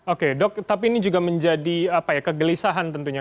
oke dok tapi ini juga menjadi kegelisahan tentunya